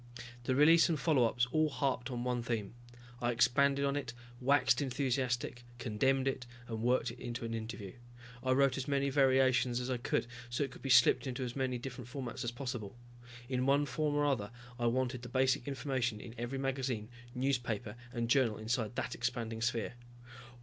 The release and follow ups all harped on one theme. I expanded on it, waxed enthusiastic, condemned it, and worked it into an interview. I wrote as many variations as I could, so it could be slipped into as many different formats as possible. In one form or another I wanted the basic information in every magazine, newspaper and journal inside that expanding sphere.